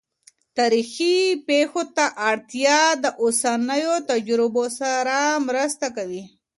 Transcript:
تاریخي پېښو ته اړتیا د اوسنیو تجربو سره مرسته کوي.